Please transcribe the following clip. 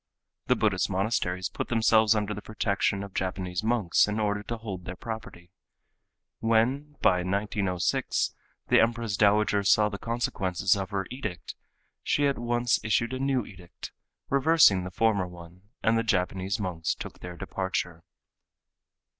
The Buddhist monasteries put themselves under the protection of Japanese monks in order to hold their property. When by 1906 the Empress Dowager saw the consequences of her edict, she at once issued a new edict, reversing the former one, and the Japanese monks took their departure.